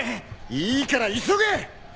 いいから急げ！